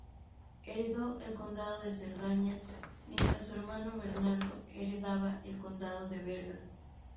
Heredó el condado de Cerdaña mientras su hermano Bernardo heredaba el condado de Berga.